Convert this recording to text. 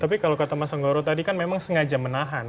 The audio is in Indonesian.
tapi kalau kata mas anggoro tadi kan memang sengaja menahan